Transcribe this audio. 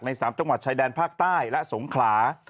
๓จังหวัดชายแดนภาคใต้และสงขลา